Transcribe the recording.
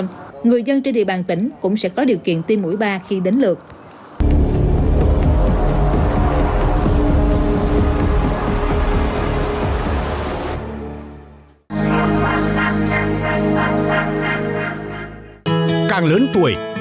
ngoài ra người dân trên địa bàn tỉnh cũng sẽ có điều kiện tiêm mũi ba khi đến lượt